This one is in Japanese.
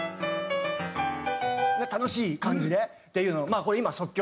楽しい感じでっていうのを。